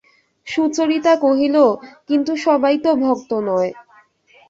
সুচরতা কহিল, কিন্তু সবাই তো ভক্ত নয়।